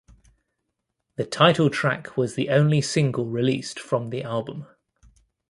The title track was the only single released from the album.